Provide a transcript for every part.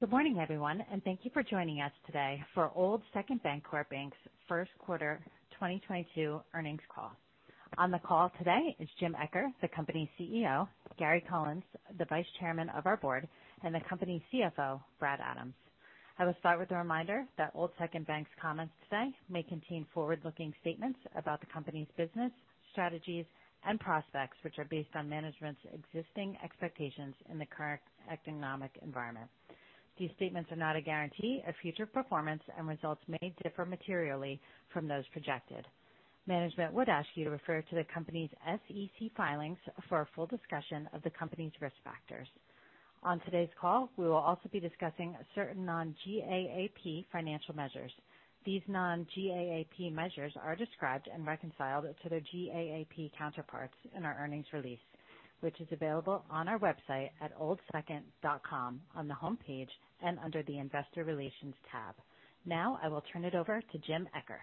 Good morning, everyone, and thank you for joining us today for Old Second Bancorp's Q1 2022 earnings call. On the call today is Jim Eccher, the company's CEO, Gary Collins, the Vice Chairman of our board, and the company's CFO, Brad Adams. I will start with a reminder that Old Second Bank's comments today may contain forward-looking statements about the company's business, strategies and prospects, which are based on management's existing expectations in the current economic environment. These statements are not a guarantee of future performance and results may differ materially from those projected. Management would ask you to refer to the company's SEC filings for a full discussion of the company's risk factors. On today's call, we will also be discussing certain non-GAAP financial measures. These non-GAAP measures are described and reconciled to their GAAP counterparts in our earnings release, which is available on our website at oldsecond.com on the homepage and under the Investor Relations tab. Now I will turn it over to Jim Eccher.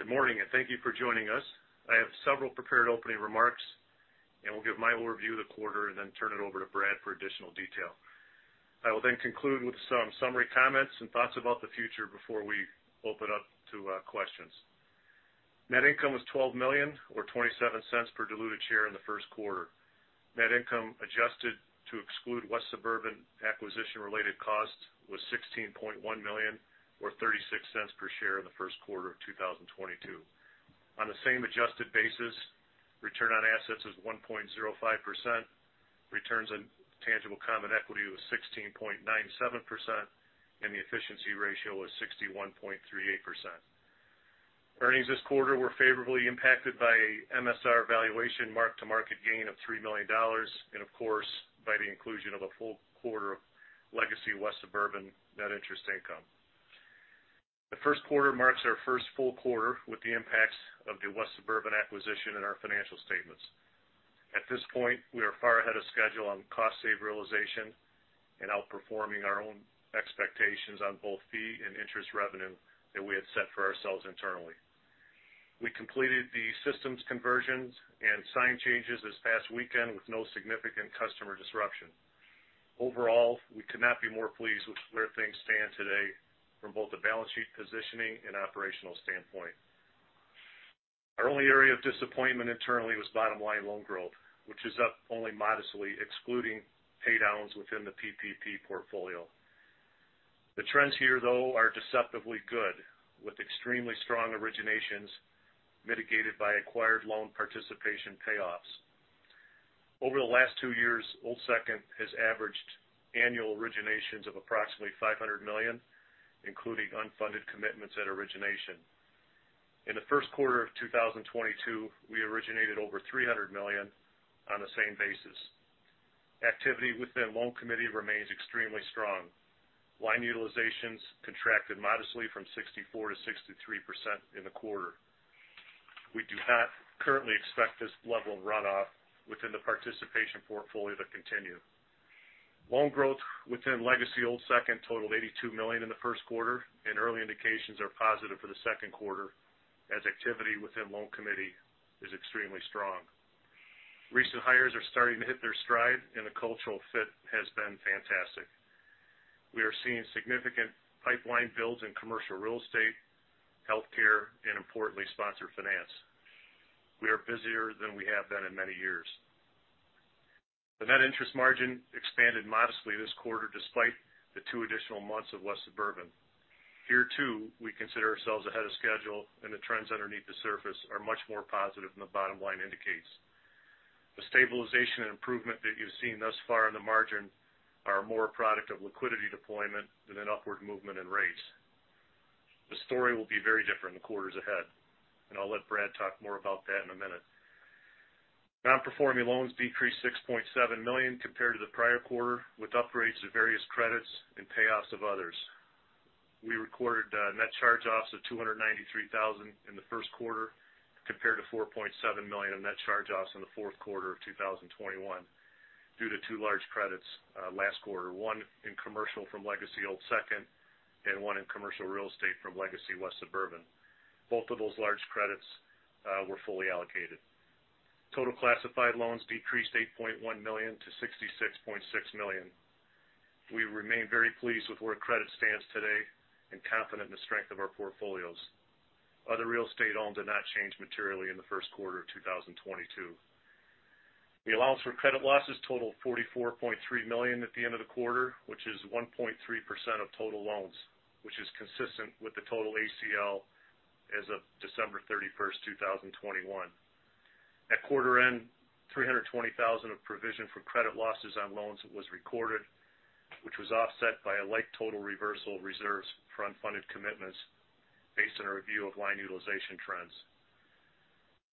Good morning, and thank you for joining us. I have several prepared opening remarks, and will give my overview of the quarter and then turn it over to Brad for additional detail. I will then conclude with some summary comments and thoughts about the future before we open up to questions. Net income was $12 million or $0.27 per diluted share in the first quarter. Net income adjusted to exclude West Suburban acquisition-related costs was $16.1 million or $0.36 per share in the Q1 2022. On the same adjusted basis, return on assets was 1.05%, returns on tangible common equity was 16.97%, and the efficiency ratio was 61.38%. Earnings this quarter were favorably impacted by MSR valuation mark-to-market gain of $3 million and of course by the inclusion of a full quarter of legacy West Suburban net interest income. The Q1 marks our first full quarter with the impacts of the West Suburban acquisition in our financial statements. At this point, we are far ahead of schedule on cost save realization and outperforming our own expectations on both fee and interest revenue that we had set for ourselves internally. We completed the systems conversions and sign changes this past weekend with no significant customer disruption. Overall, we could not be more pleased with where things stand today from both the balance sheet positioning and operational standpoint. Our only area of disappointment internally was bottom line loan growth, which is up only modestly excluding pay downs within the PPP portfolio. The trends here, though, are deceptively good, with extremely strong originations mitigated by acquired loan participation payoffs. Over the last two years, Old Second has averaged annual originations of approximately $500 million, including unfunded commitments at origination. In the Q1 2022, we originated over $300 million on the same basis. Activity within loan committee remains extremely strong. Line utilizations contracted modestly from 64% to 63% in the quarter. We do not currently expect this level of runoff within the participation portfolio to continue. Loan growth within legacy Old Second totaled $82 million in the Q1, and early indications are positive for the Q2 as activity within loan committee is extremely strong. Recent hires are starting to hit their stride and the cultural fit has been fantastic. We are seeing significant pipeline builds in commercial real estate, healthcare and importantly, sponsor finance. We are busier than we have been in many years. The net interest margin expanded modestly this quarter, despite the two additional months of West Suburban. Here, too, we consider ourselves ahead of schedule, and the trends underneath the surface are much more positive than the bottom line indicates. The stabilization and improvement that you've seen thus far in the margin are more a product of liquidity deployment than an upward movement in rates. The story will be very different in the quarters ahead, and I'll let Brad talk more about that in a minute. Non-performing loans decreased $6.7 million compared to the prior quarter, with upgrades to various credits and payoffs of others. We recorded net charge-offs of $293,000 in the Q1 compared to $4.7 million in net charge-offs in the Q4 of 2021 due to two large credits last quarter. One in commercial from legacy Old Second and one in commercial real estate from legacy West Suburban. Both of those large credits were fully allocated. Total classified loans decreased $8.1 million to $66.6 million. We remain very pleased with where credit stands today and confident in the strength of our portfolios. Other real estate owned did not change materially in the Q1 2022. The allowance for credit losses totaled $44.3 million at the end of the quarter, which is 1.3% of total loans, which is consistent with the total ACL as of December 31, 2021. At quarter end, $320,000 of provision for credit losses on loans was recorded, which was offset by a like total reversal of reserves for unfunded commitments based on a review of line utilization trends.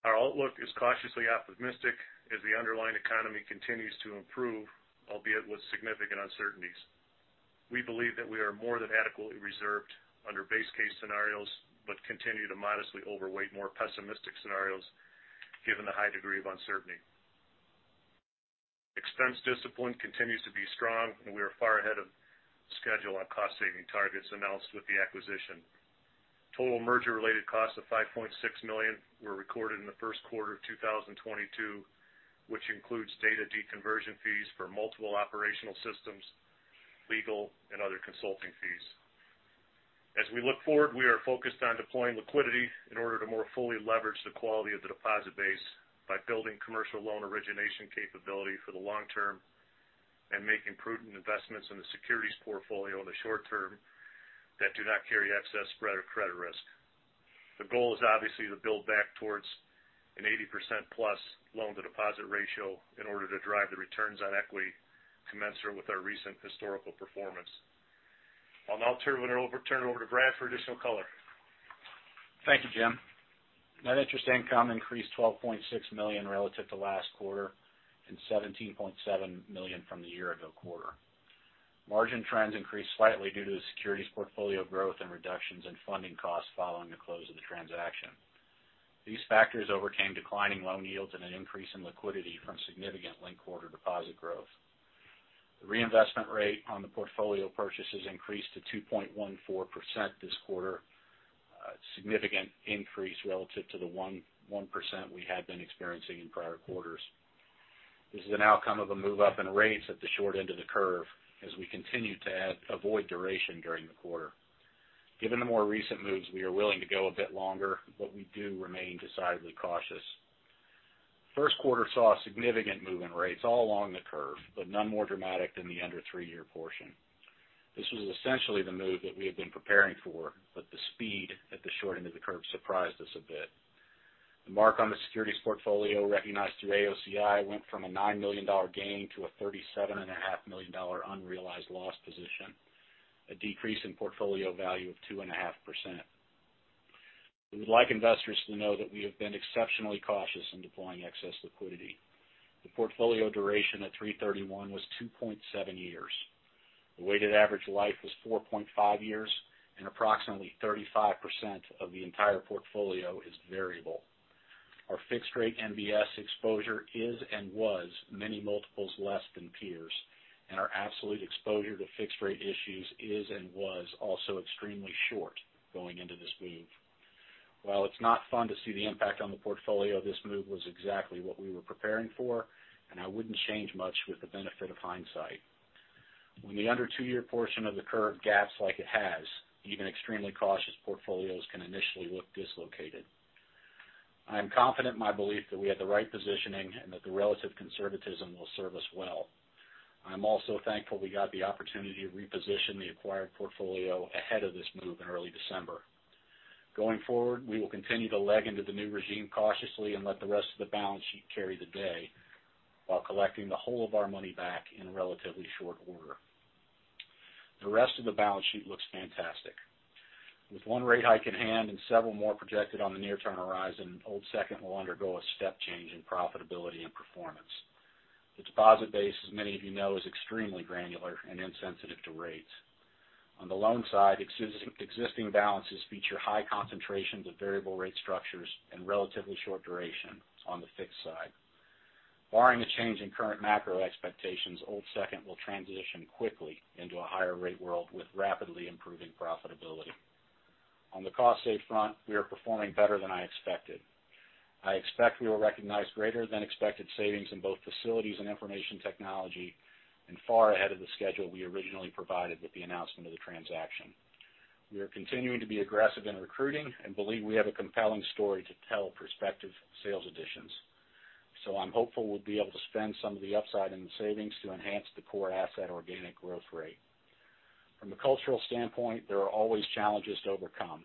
Our outlook is cautiously optimistic as the underlying economy continues to improve, albeit with significant uncertainties. We believe that we are more than adequately reserved under base case scenarios, but continue to modestly overweight more pessimistic scenarios given the high degree of uncertainty. Expense discipline continues to be strong and we are far ahead of schedule on cost saving targets announced with the acquisition. Total merger related costs of $5.6 million were recorded in the Q1 2022, which includes data deconversion fees for multiple operational systems, legal and other consulting fees. As we look forward, we are focused on deploying liquidity in order to more fully leverage the quality of the deposit base by building commercial loan origination capability for the long term and making prudent investments in the securities portfolio in the short term that do not carry excess spread or credit risk. The goal is obviously to build back towards an 80%+ loan to deposit ratio in order to drive the returns on equity commensurate with our recent historical performance. I'll now turn it over to Brad for additional color. Thank you, Jim. Net interest income increased $12.6 million relative to last quarter and $17.7 million from the year ago quarter. Margin trends increased slightly due to the securities portfolio growth and reductions in funding costs following the close of the transaction. These factors overcame declining loan yields and an increase in liquidity from significant linked quarter deposit growth. The reinvestment rate on the portfolio purchases increased to 2.14% this quarter, significant increase relative to the 1.1% we had been experiencing in prior quarters. This is an outcome of a move up in rates at the short end of the curve as we continue to avoid duration during the quarter. Given the more recent moves, we are willing to go a bit longer, but we do remain decidedly cautious. Q1 saw a significant move in rates all along the curve, but none more dramatic than the under three-year portion. This was essentially the move that we had been preparing for, but the speed at the short end of the curve surprised us a bit. The mark on the securities portfolio recognized through AOCI went from a $9 million gain to a $37.5 million unrealized loss position, a decrease in portfolio value of 2.5%. We would like investors to know that we have been exceptionally cautious in deploying excess liquidity. The portfolio duration at March 31 was 2.7 years. The weighted average life was 4.5 years, and approximately 35% of the entire portfolio is variable. Our fixed rate MBS exposure is and was many multiples less than peers, and our absolute exposure to fixed rate issues is and was also extremely short going into this move. While it's not fun to see the impact on the portfolio, this move was exactly what we were preparing for, and I wouldn't change much with the benefit of hindsight. When the under two-year portion of the curve gaps like it has, even extremely cautious portfolios can initially look dislocated. I am confident in my belief that we have the right positioning and that the relative conservatism will serve us well. I'm also thankful we got the opportunity to reposition the acquired portfolio ahead of this move in early December. Going forward, we will continue to leg into the new regime cautiously and let the rest of the balance sheet carry the day while collecting the whole of our money back in relatively short order. The rest of the balance sheet looks fantastic. With one rate hike in hand and several more projected on the near-term horizon, Old Second will undergo a step change in profitability and performance. The deposit base, as many of you know, is extremely granular and insensitive to rates. On the loan side, existing balances feature high concentrations of variable rate structures and relatively short duration on the fixed side. Barring a change in current macro expectations, Old Second will transition quickly into a higher rate world with rapidly improving profitability. On the cost save front, we are performing better than I expected. I expect we will recognize greater than expected savings in both facilities and information technology and far ahead of the schedule we originally provided with the announcement of the transaction. We are continuing to be aggressive in recruiting and believe we have a compelling story to tell prospective sales additions. I'm hopeful we'll be able to spend some of the upside in savings to enhance the core asset organic growth rate. From a cultural standpoint, there are always challenges to overcome,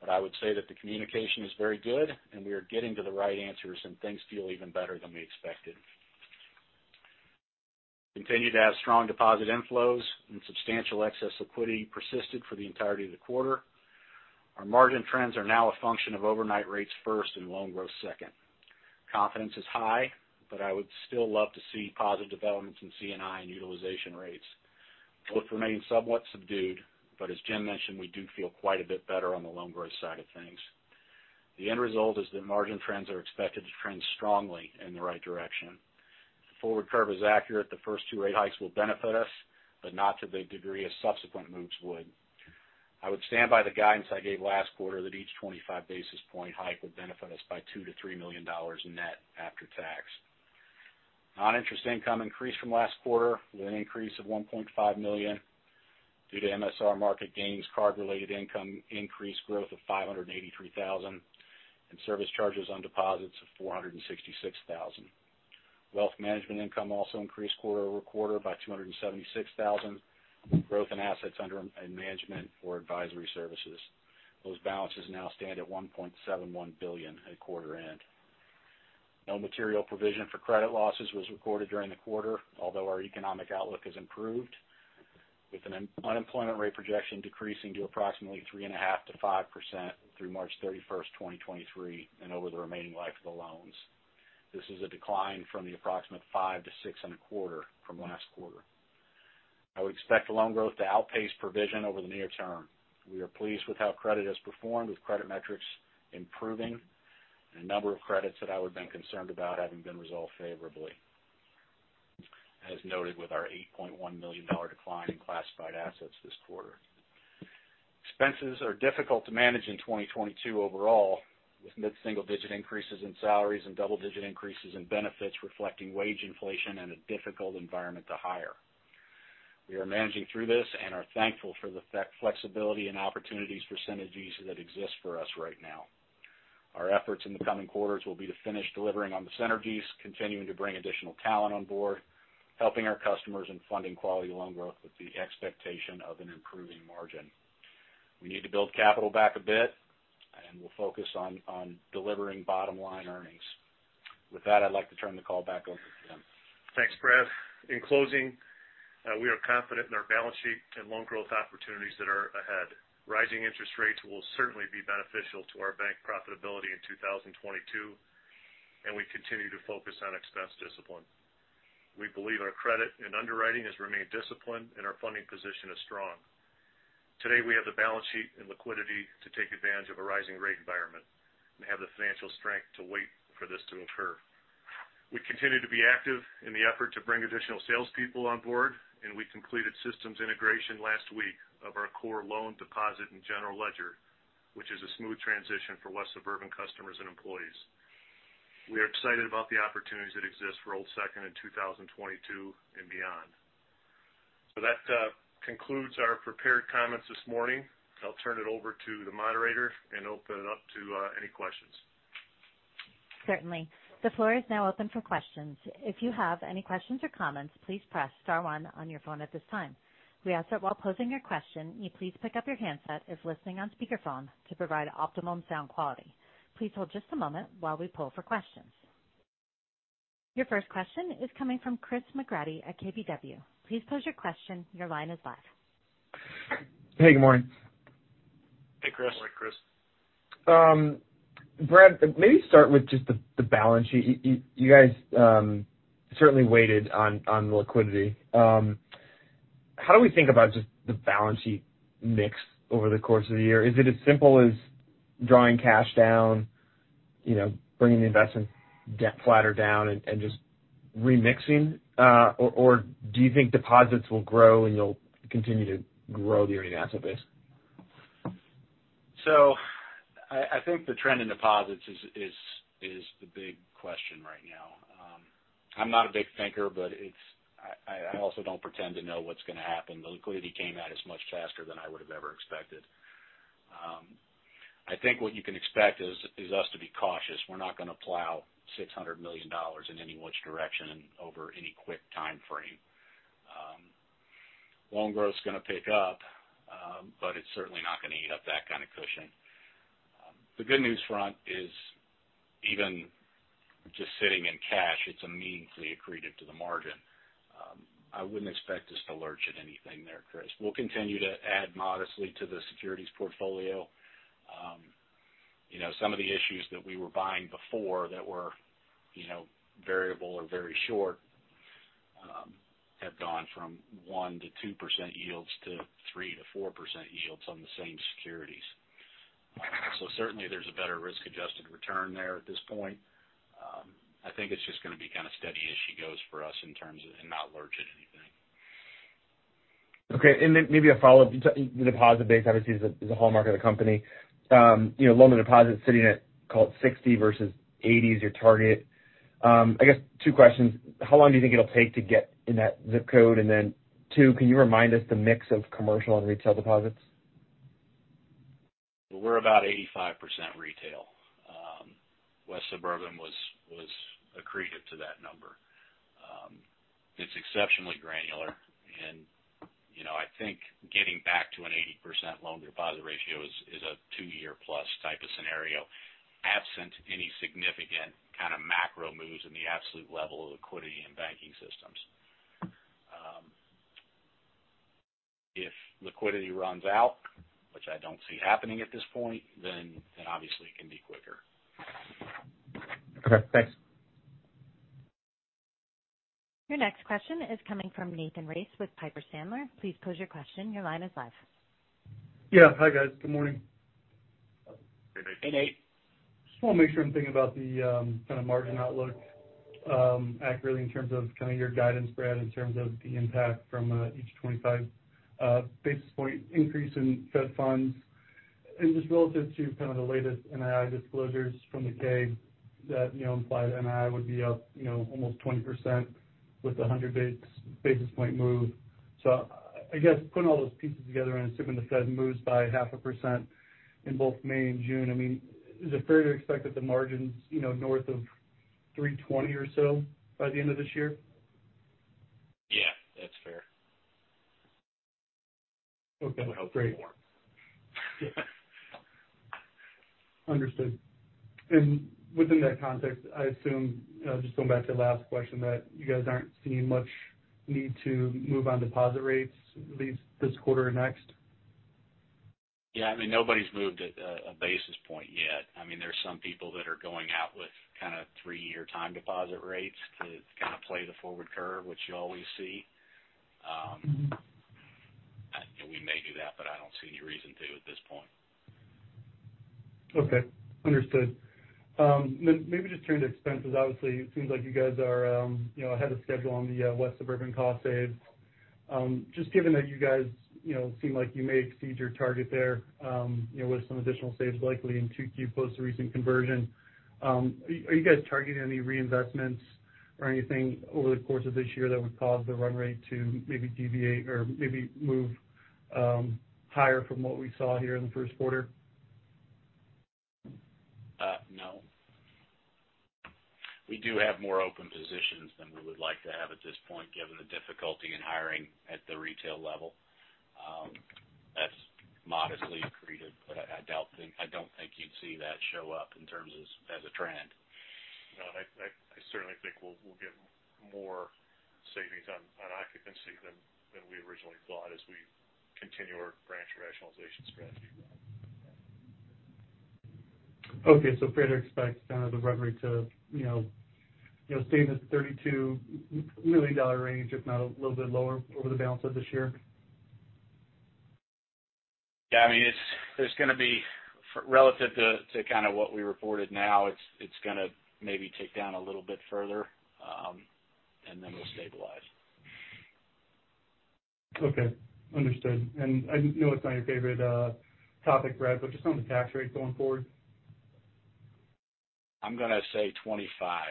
but I would say that the communication is very good, and we are getting to the right answers, and things feel even better than we expected. Continue to have strong deposit inflows and substantial excess liquidity persisted for the entirety of the quarter. Our margin trends are now a function of overnight rates first and loan growth second. Confidence is high, but I would still love to see positive developments in C&I and utilization rates. Both remain somewhat subdued, but as Jim mentioned, we do feel quite a bit better on the loan growth side of things. The end result is that margin trends are expected to trend strongly in the right direction. If the forward curve is accurate, the first two rate hikes will benefit us, but not to the degree as subsequent moves would. I would stand by the guidance I gave last quarter that each 25 basis point hike would benefit us by $2 million-$3 million net after tax. Noninterest income increased from last quarter with an increase of $1.5 million due to MSR market gains, card-related income increased growth of $583,000, and service charges on deposits of $466,000. Wealth management income also increased quarter-over-quarter by $276,000, growth in assets under management for advisory services. Those balances now stand at $1.71 billion at quarter end. No material provision for credit losses was recorded during the quarter, although our economic outlook has improved, with an unemployment rate projection decreasing to approximately 3.5%-5% through March 31, 2023 and over the remaining life of the loans. This is a decline from the approximate 5%-6.25% from last quarter. I would expect loan growth to outpace provision over the near term. We are pleased with how credit has performed, with credit metrics improving and a number of credits that I would have been concerned about having been resolved favorably. As noted with our $8.1 million decline in classified assets this quarter. Expenses are difficult to manage in 2022 overall, with mid-single-digit increases in salaries and double-digit increases in benefits reflecting wage inflation and a difficult environment to hire. We are managing through this and are thankful for the fact flexibility and opportunities for synergies that exist for us right now. Our efforts in the coming quarters will be to finish delivering on the synergies, continuing to bring additional talent on board, helping our customers in funding quality loan growth with the expectation of an improving margin. We need to build capital back a bit, and we'll focus on delivering bottom-line earnings. With that, I'd like to turn the call back over to Jim Eccher. Thanks, Brad. In closing, we are confident in our balance sheet and loan growth opportunities that are ahead. Rising interest rates will certainly be beneficial to our bank profitability in 2022, and we continue to focus on expense discipline. We believe our credit and underwriting has remained disciplined, and our funding position is strong. Today, we have the balance sheet and liquidity to take advantage of a rising rate environment and have the financial strength to wait for this to occur. We continue to be active in the effort to bring additional salespeople on board, and we completed systems integration last week of our core loan deposit and general ledger, which is a smooth transition for West Suburban customers and employees. We are excited about the opportunities that exist for Old Second in 2022 and beyond. That concludes our prepared comments this morning. I'll turn it over to the moderator and open it up to any questions. Certainly. The floor is now open for questions. If you have any questions or comments, please press star one on your phone at this time. We ask that while posing your question, you please pick up your handset if listening on speakerphone to provide optimum sound quality. Please hold just a moment while we poll for questions. Your first question is coming from Christopher McGratty at KBW. Please pose your question. Your line is live. Hey, good morning. Hey, Chris. Good morning, Chris. Brad, maybe start with just the balance sheet. You guys certainly waited on the liquidity. How do we think about just the balance sheet mix over the course of the year? Is it as simple as drawing cash down, bringing the investment debt flatter down and just remixing? Or do you think deposits will grow and you'll continue to grow the earning asset base? I think the trend in deposits is the big question right now. I'm not a big thinker, but I also don't pretend to know what's gonna happen. The liquidity came at us much faster than I would have ever expected. I think what you can expect is us to be cautious. We're not gonna plow $600 million in any which direction over any quick timeframe. Loan growth's gonna pick up, but it's certainly not gonna eat up that kind of cushion. The good news front is even just sitting in cash, it's meaningfully accretive to the margin. I wouldn't expect us to lurch at anything there, Chris. We'll continue to add modestly to the securities portfolio. Some of the issues that we were buying before that were, variable or very short, have gone from 1%-2% yields to 3%-4% yields on the same securities. Certainly there's a better risk-adjusted return there at this point. I think it's just gonna be kind of steady as she goes for us in terms of, and not lurch at anything. Okay. Maybe a follow-up. The deposit base, obviously, is a hallmark of the company. Loan-to-deposit sitting at call it 60% versus 80% is your target. I guess two questions. How long do you think it'll take to get in that ZIP code? Two, can you remind us the mix of commercial and retail deposits? We're about 85% retail. West Suburban was accretive to that number. It's exceptionally granular and, you know, I think getting back to an 80% loan-to-deposit ratio is a two-year-plus type of scenario, absent any significant kind of macro moves in the absolute level of liquidity in banking systems. If liquidity runs out, which I don't see happening at this point, then obviously it can be quicker. Okay, thanks. Your next question is coming from Nathan Race with Piper Sandler. Please pose your question. Your line is live. Yeah. Hi, guys. Good morning. Hey, Nate. Hey, Nate. Just wanna make sure I'm thinking about the kind of margin outlook accurately in terms of kind of your guidance, Brad, in terms of the impact from each 25 basis point increase in Fed funds, and just relative to kind of the latest NII disclosures from the 10-K that you know implied NII would be up you know almost 20% with a 100 basis point move. I guess putting all those pieces together and assuming the Fed moves by 50 basis points in both May and June, I mean is it fair to expect that the margins you know north of 3.20% or so by the end of this year? Yeah, that's fair. Okay, great. I would hope more. Understood. Within that context, I assume, just going back to the last question, that you guys aren't seeing much need to move on deposit rates at least this quarter or next. Yeah, I mean, nobody's moved a basis point yet. I mean, there's some people that are going out with kinda three-year time deposit rates to kind of play the forward curve, which you always see. Maybe just turn to expenses. Obviously, it seems like you guys are, you know, ahead of schedule on the West Suburban cost savings. Just given that you guys, seem like you may exceed your target there, with some additional savings likely in Q2 post the recent conversion, are you guys targeting any reinvestments or anything over the course of this year that would cause the run rate to maybe deviate or maybe move higher from what we saw here in the Q1? No. We do have more open positions than we would like to have at this point, given the difficulty in hiring at the retail level. That's modestly accretive, but I don't think you'd see that show up in terms of as a trend. No, I certainly think we'll get more savings on occupancy than we originally thought as we continue our branch rationalization strategy. Okay. Fair to expect the run rate to, you know, stay in this $32 million range, if not a little bit lower over the balance of this year? Yeah, I mean, there's gonna be relative to kind of what we reported now. It's gonna maybe tick down a little bit further, and then we'll stabilize. Okay. Understood. I know it's not your favorite topic, Brad, but just on the tax rate going forward. I'm gonna say 2025.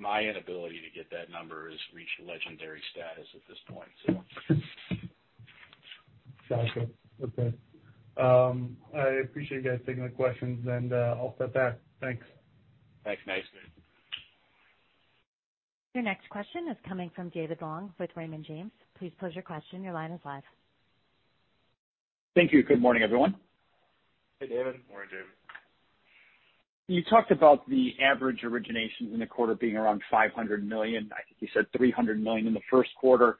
My inability to get that number has reached legendary status at this point, so. Gotcha. Okay. I appreciate you guys taking the questions, and I'll step back. Thanks. Thanks. Nice. Thanks. Your next question is coming from David Long with Raymond James. Please pose your question. Your line is live. Thank you. Good morning, everyone. Hey, David. Morning, David. You talked about the average origination in the quarter being around $500 million. I think you said $300 million in the Q1.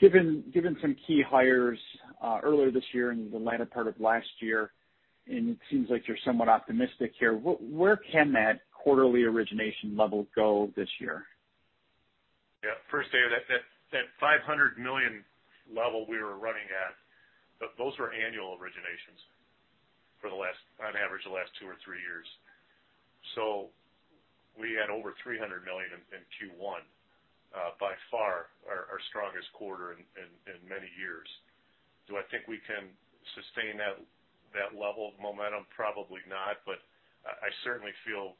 Given some key hires earlier this year and the latter part of last year, and it seems like you're somewhat optimistic here, where can that quarterly origination level go this year? Yeah. First, David, that $500 million level we were running at, those were annual originations for the last, on average, the last two or three years. We had over $300 million in Q1. By far our strongest quarter in many years. Do I think we can sustain that level of momentum? Probably not. I certainly feel,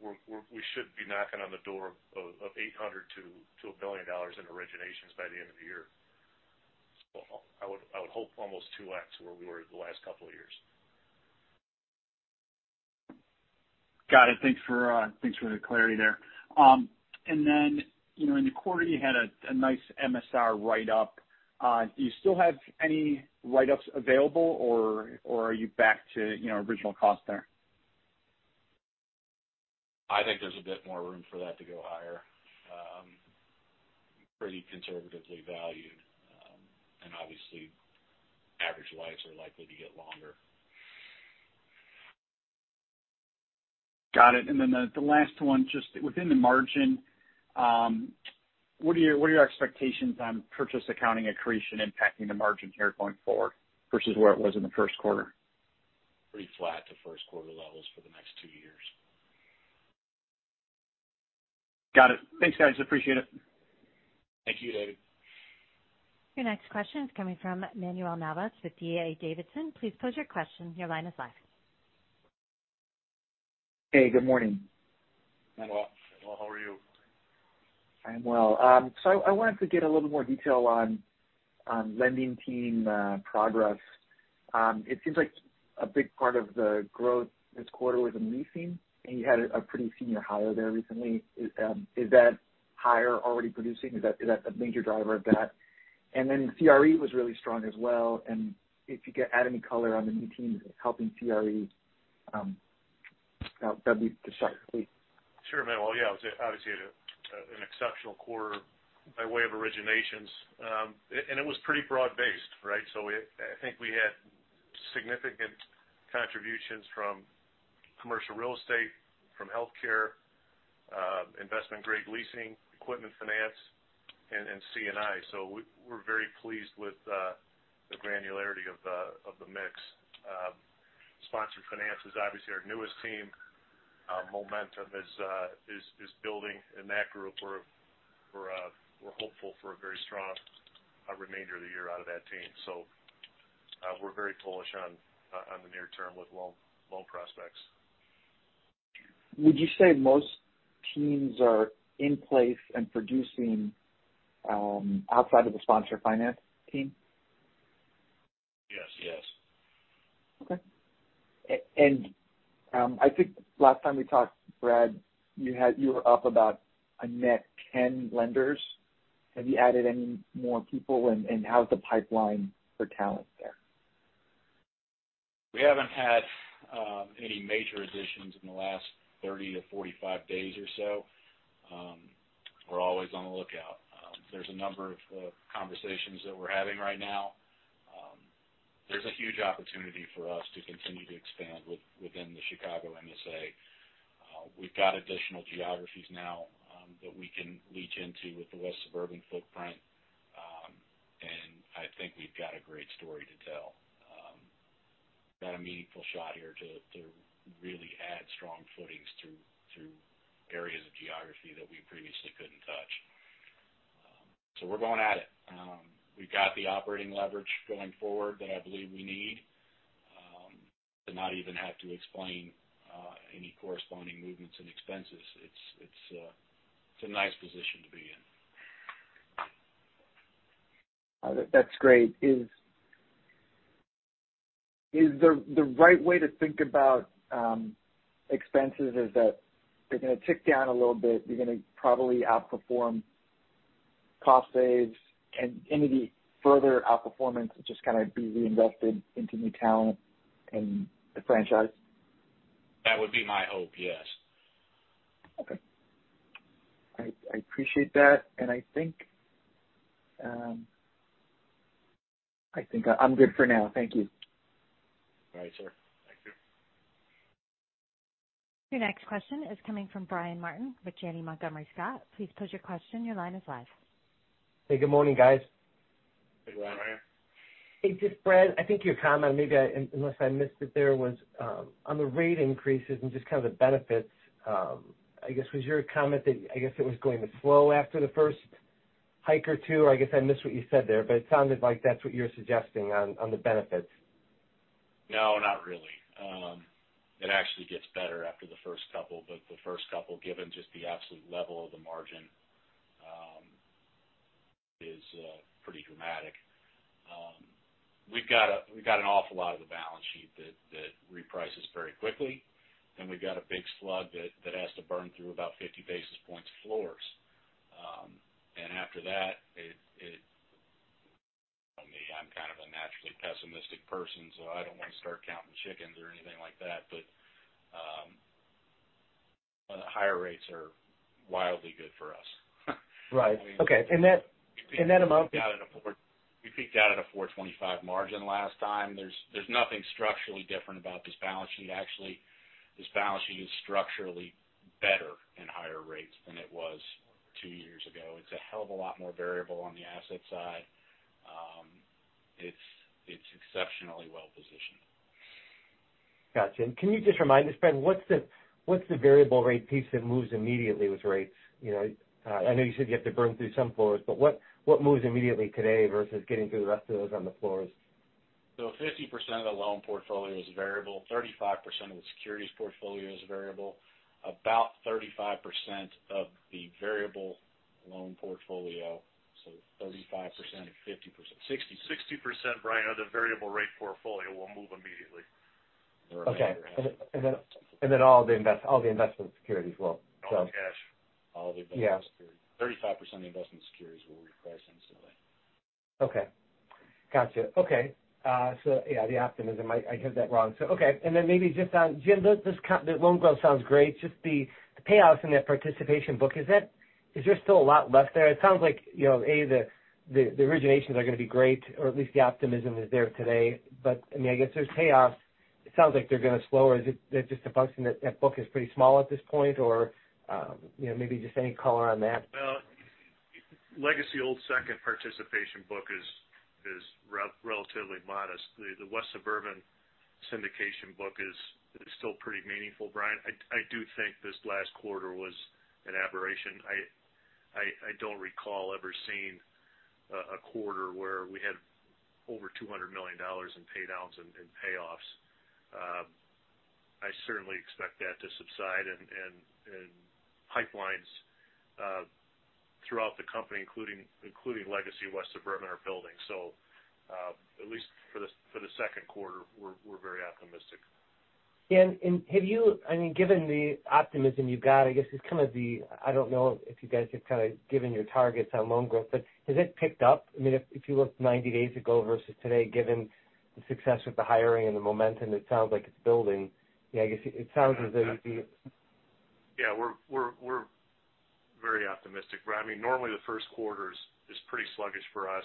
we're -- we should be knocking on the door of $800 million to $1 billion in originations by the end of the year. I would hope almost 2.0x where we were the last couple of years. Got it. Thanks for the clarity there. You know, in the quarter, you had a nice MSR write-up. Do you still have any write-ups available, or are you back to, original cost there? I think there's a bit more room for that to go higher. Pretty conservatively valued. Obviously average lives are likely to get longer. Got it. The last one, just within the margin, what are your expectations on purchase accounting accretion impacting the margin here going forward versus where it was in the first quarter? Pretty flat to Q1 levels for the next two years. Got it. Thanks, guys. Appreciate it. Thank you, David. Your next question is coming from Manuel Navas with D.A. Davidson. Please pose your question. Your line is live. Hey, good morning. Manuel. Manuel, how are you? I'm well. I wanted to get a little more detail on lending team progress. It seems like a big part of the growth this quarter was in leasing, and you had a pretty senior hire there recently. Is that hire already producing? Is that a major driver of that? Then CRE was really strong as well. If you could add any color on the new teams helping CRE, that would be, sorry, please. Sure, Manuel. Yeah. It was obviously an exceptional quarter by way of originations. It was pretty broad-based, right? I think we had significant contributions from commercial real estate, from healthcare, investment-grade leasing, equipment finance, and C&I. We're very pleased with the granularity of the mix. Sponsor finance is obviously our newest team. Momentum is building in that group. We're hopeful for a very strong remainder of the year out of that team. We're very bullish on the near term with loan prospects. Would you say most teams are in place and producing, outside of the sponsor finance team? Yes. Yes. Okay. I think last time we talked, Brad, you had, you were up about a net 10 lenders. Have you added any more people, and how's the pipeline for talent there? We haven't had any major additions in the last 30-45 days or so. We're always on the lookout. There's a number of conversations that we're having right now. There's a huge opportunity for us to continue to expand within the Chicago MSA. We've got additional geographies now that we can reach into with the West Suburban footprint. I think we've got a great story to tell. Got a meaningful shot here to really add strong footings through areas of geography that we previously couldn't touch. We're going at it. We've got the operating leverage going forward that I believe we need to not even have to explain any corresponding movements in expenses. It's a nice position to be in. That's great. Is the right way to think about expenses that they're gonna tick down a little bit. You're gonna probably outperform cost saves and any further outperformance just kinda be reinvested into new talent and the franchise? That would be my hope, yes. Okay. I appreciate that. I think I'm good for now. Thank you. All right, sir. Thank you. Your next question is coming from Brian Martin with Janney Montgomery Scott. Please pose your question. Your line is live. Hey, good morning, guys. Good morning, Brian. Hey, just Brad, I think your comment. Unless I missed it, there was on the rate increases and just kind of the benefits. I guess was your comment that I guess it was going to slow after the first hike or two, or I guess I missed what you said there, but it sounded like that's what you're suggesting on the benefits. No, not really. It actually gets better after the first couple, but the first couple, given just the absolute level of the margin, is pretty dramatic. We've got an awful lot of the balance sheet that reprices very quickly. We've got a big slug that has to burn through about 50 basis points floors. After that, it. You know me, I'm kind of a naturally pessimistic person, so I don't want to start counting chickens or anything like that. Higher rates are wildly good for us. Right. Okay. That amount- We peaked out at a 4.25% margin last time. There's nothing structurally different about this balance sheet. Actually, this balance sheet is structurally better in higher rates than it was two years ago. It's a hell of a lot more variable on the asset side. It's exceptionally well-positioned. Got you. Can you just remind us, Brad, what's the variable rate piece that moves immediately with rates? I know you said you have to burn through some floors, but what moves immediately today versus getting through the rest of those on the floors? 50% of the loan portfolio is variable. 35% of the securities portfolio is variable. About 35% of the variable loan portfolio. 35% of 50%. 60%. 60%, Brian, of the variable rate portfolio will move immediately. Okay. All the investment securities will sell. All the cash. All the investment securities. Yeah. 35% of the investment securities will reprice instantly. Okay. Gotcha. Okay. So yeah, the optimism. I heard that wrong. So, okay. Then maybe just on Jim, does this cover the loan growth? Sounds great. Just the payoffs in that participation book, is there still a lot left there? It sounds like, the originations are gonna be great or at least the optimism is there today. I mean, I guess there's payoffs. It sounds like they're gonna slow or is it they're just a function that book is pretty small at this point or, maybe just any color on that? Well, Legacy Old Second participation book is relatively modest. The West Suburban syndication book is still pretty meaningful, Brian. I do think this last quarter was an aberration. I don't recall ever seeing a quarter where we had over $200 million in paydowns and payoffs. I certainly expect that to subside and pipelines throughout the company including Legacy West Suburban are building. At least for the second quarter, we're very optimistic. I mean, given the optimism you've got, I guess it's kinda the, I don't know if you guys have kinda given your targets on loan growth, but has it picked up? I mean, if you look 90 days ago versus today, given the success with the hiring and the momentum, it sounds like it's building. I guess it sounds as though. Yeah. We're very optimistic, Brian. I mean, normally the first quarter is pretty sluggish for us.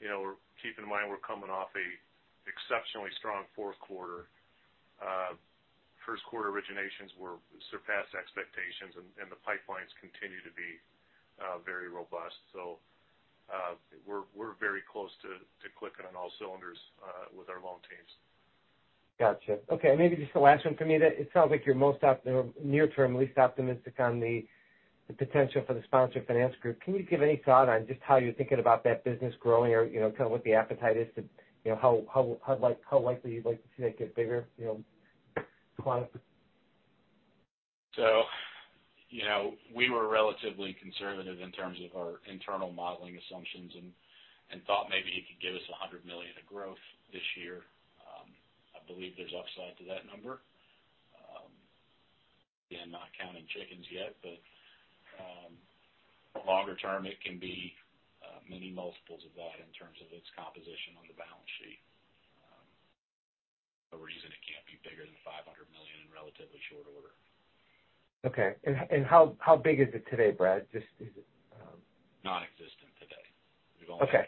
You know, keep in mind we're coming off a exceptionally strong Q4. Q1 originations surpassed expectations and the pipelines continue to be very robust. We're very close to clicking on all cylinders with our loan teams. Gotcha. Okay, maybe just the last one for me. It sounds like you're least optimistic near-term on the potential for the sponsor finance group. Can you give any thought on just how you're thinking about that business growing or, kind of what the appetite is to, how likely you'd like to see that get bigger? We were relatively conservative in terms of our internal modeling assumptions and thought maybe it could give us $100 million of growth this year. I believe there's upside to that number. Again, not counting chickens yet, but longer term it can be many multiples of that in terms of its composition on the balance sheet. There's a reason it can't be bigger than $500 million in relatively short order. Okay. How big is it today, Brad? Just is it. Non-existent today. Okay.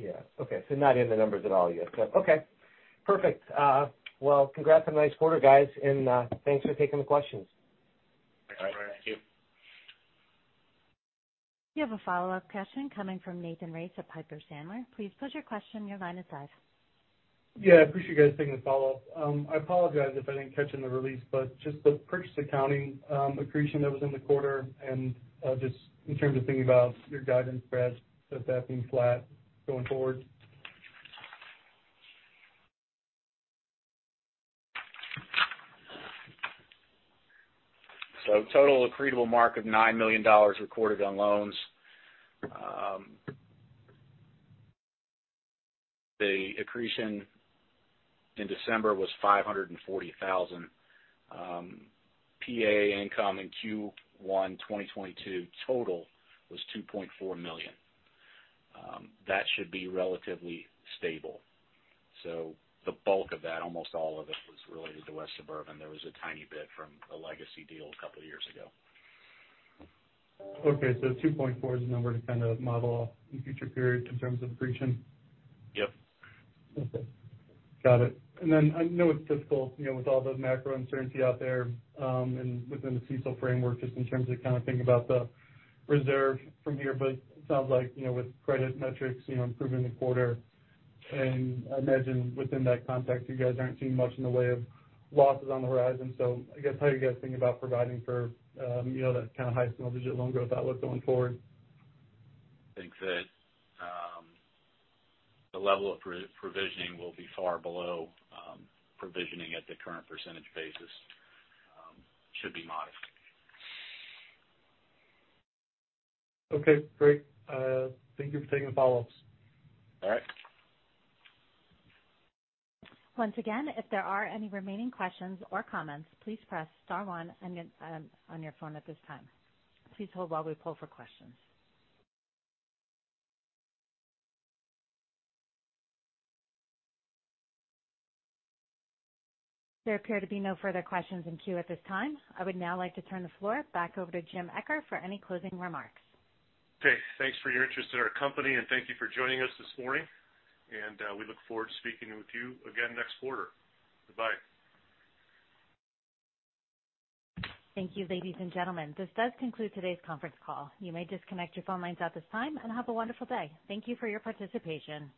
Yeah. Okay. Not in the numbers at all yet. Okay, perfect. Well, congrats on a nice quarter, guys, and thanks for taking the questions. Thanks, Brian. Thank you. You have a follow-up question coming from Nathan Race at Piper Sandler. Please pose your question. Your line is live. Yeah, I appreciate you guys taking the follow-up. I apologize if I didn't catch in the release, but just the purchase accounting accretion that was in the quarter and, just in terms of thinking about your guidance, Brad, with that being flat going forward. Total accretable mark of $9 million recorded on loans. The accretion in December was $540 thousand. PA income in Q1 2022 total was $2.4 million. That should be relatively stable. The bulk of that, almost all of it was related to West Suburban. There was a tiny bit from a legacy deal a couple years ago. Okay. 2.4% is the number to kind of model in future periods in terms of accretion? Yep. Okay. Got it. I know it's difficult, with all the macro uncertainty out there, and within the CECL framework, just in terms of kinda thinking about the reserve from here, but it sounds like, with credit metrics, improving the quarter, and I imagine within that context, you guys aren't seeing much in the way of losses on the horizon. I guess how are you guys thinking about providing for, that kinda high single-digit loan growth outlook going forward? I think that the level of provisioning will be far below provisioning at the current percentage basis. Should be modest. Okay, great. Thank you for taking the follow-ups. All right. Once again, if there are any remaining questions or comments, please press star one and then on your phone at this time. Please hold while we poll for questions. There appear to be no further questions in queue at this time. I would now like to turn the floor back over to Jim Eccher for any closing remarks. Okay. Thanks for your interest in our company, and thank you for joining us this morning, and, we look forward to speaking with you again next quarter. Goodbye. Thank you, ladies and gentlemen. This does conclude today's conference call. You may disconnect your phone lines at this time, and have a wonderful day. Thank you for your participation.